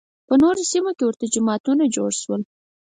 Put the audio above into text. په نورو سیمو کې ورته جماعتونه جوړ شول